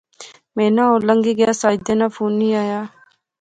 مہینہ ہور لنگی گیا، ساجدے ناں فون نی آیا